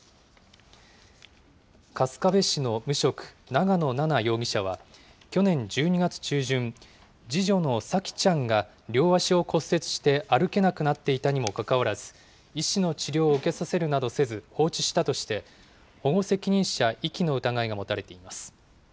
春日部市の無職、長野奈々容疑者は、去年１２月中旬、次女の沙季ちゃんが両足を骨折して歩けなくなっていたにもかかわらず、医師の治療を受けさせるなどせず、放置したとして、保護責任者遺棄の疑いが持たれています。